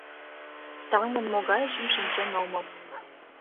Таҥын могайжым шинчен омыл.